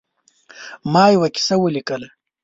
ما یوه کیسه ولیکله.